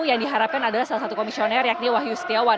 yang diharapkan adalah salah satu komisioner yakni wahyu setiawan